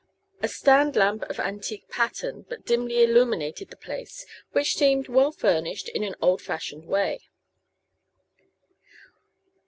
A stand lamp of antique pattern but dimly illuminated the place, which seemed well furnished in an old fashioned way.